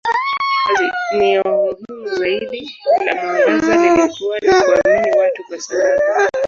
Azimio muhimu zaidi la mwangaza lilikuwa ni kuamini watu kwa sababu.